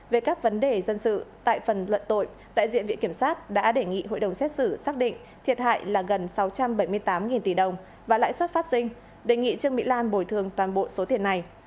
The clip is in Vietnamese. về các vấn đề dân sự tại phần luận tội đại diện viện kiểm sát đã đề nghị hội đồng xét xử xác định thiệt hại là gần sáu trăm bảy mươi tám tỷ đồng và lãi suất phát sinh đề nghị trương mỹ lan bồi thường toàn bộ số tiền này